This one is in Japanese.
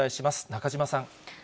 中島さん。